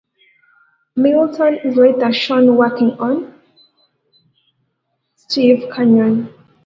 Milton is later shown working on "Steve Canyon".